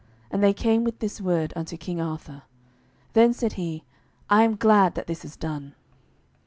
And they came with this word unto King Arthur. Then said he, "I am glad that this is done."